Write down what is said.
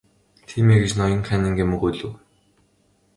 Тийм ээ гэж ноён Каннингем өгүүлэв.